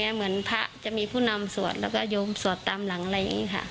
เหมือนพระจะมีผู้นำสวดแล้วก็โยมสวดตามหลังอะไรอย่างนี้ค่ะ